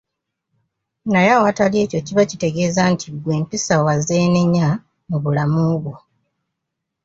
Naye awatali ekyo kiba kitegeeza nti ggwe empisa wazeenenya mu bulamu bwo.